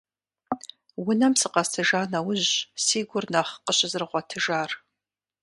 Унэм сыкъэсыжа нэужьщ си гур нэхъ къыщызэрыгъуэтыжар.